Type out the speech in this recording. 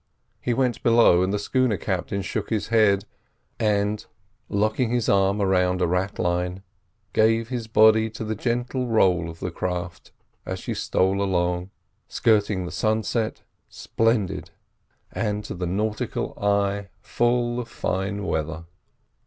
He went below, and the schooner captain shook his head, and, locking his arm round a ratlin, gave his body to the gentle roll of the craft as she stole along, skirting the sunset, splendid, and to the nautical eye full of fine weather.